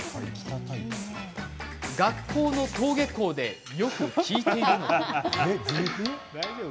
学校の登下校でよく聴いているのが。